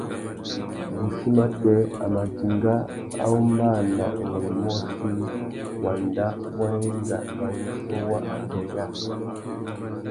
Wuchí matê, a mà dinga a ombāna ungôndômôchï wanda wa enga nà wuchiô wa atõh yâā.